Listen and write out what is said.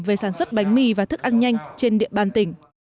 về sản xuất bánh mì và thức ăn nhanh trên địa bàn tỉnh